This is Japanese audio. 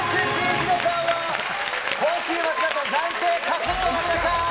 ヒデさんは、高級マスカット暫定獲得となりました。